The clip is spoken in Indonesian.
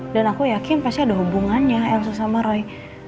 dan aku yakin pasti ada hubungannya elsa sama roy